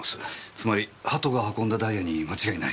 つまり鳩が運んだダイヤに間違いない。